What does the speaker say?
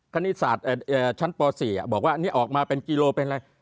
คณิตศาสตร์ชั้นป๔บอกว่าอันนี้ออกมาเป็นกิโลเป็นอะไร